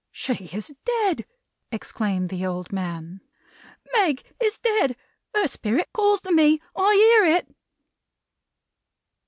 "She is dead!" exclaimed the old man. "Meg is dead. Her spirit calls to me. I hear it!"